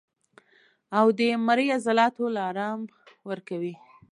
او د مرۍ عضلاتو له ارام ورکوي